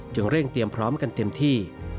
เร่งเตรียมพร้อมกันเต็มที่